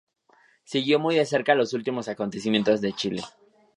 Siguió muy de cerca los últimos acontecimientos Chile.